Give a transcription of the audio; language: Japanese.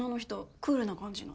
クールな感じの。